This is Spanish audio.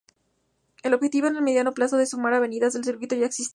El objetivo en el mediano plazo es sumar avenidas al circuito ya existente.